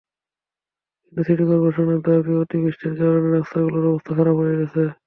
কিন্তু সিটি করপোরেশনের দাবি, অতিবৃষ্টির কারণে রাস্তাগুলোর অবস্থা খারাপ হয়ে গেছে।